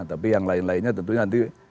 tapi yang lain lainnya tentunya nanti